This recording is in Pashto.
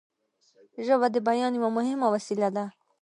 ژبه د بیان یوه مهمه وسیله ده